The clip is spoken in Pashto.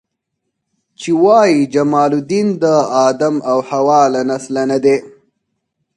چې وایي جمال الدین د آدم او حوا له نسله نه دی.